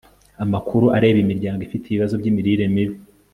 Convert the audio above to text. amakuru areba imiryango ifite ibibazo by'imirire mibi